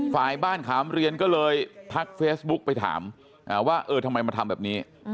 ฝ่ายบ้านขามเรียนก็เลยทักเฟซบุ๊กไปถามว่าเออทำไมมาทำแบบนี้